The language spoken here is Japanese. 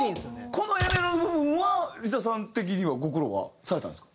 このＡメロの部分はＬｉＳＡさん的にはご苦労はされたんですか？